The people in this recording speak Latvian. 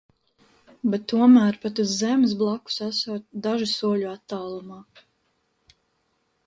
Bet tomēr, pat uz zemes blakus esot, dažu soļu attālumā.